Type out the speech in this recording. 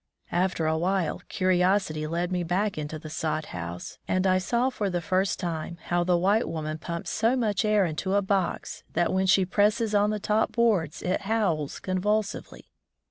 After a while curiosity led me back to the sod house, and I saw for the first time how the white woman pumps so much air into a box that when she presses on the top boards it howls convulsively.